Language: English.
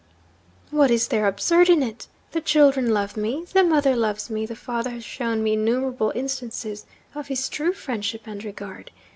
'What is there absurd in it? The children love me; the mother loves me; the father has shown me innumerable instances of his true friendship and regard.